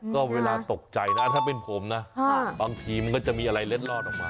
ก็เวลาตกใจนะถ้าเป็นผมนะบางทีมันก็จะมีอะไรเล็ดลอดออกมา